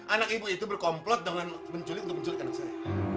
anak ibu itu berkomplot dengan menculik untuk menculik anak saya